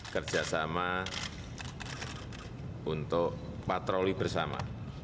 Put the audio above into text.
kerjasama untuk patroli bersama